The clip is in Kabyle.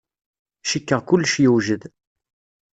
Cikkeɣ kullec yewjed.